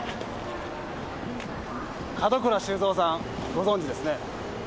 門倉修三さんご存じですね？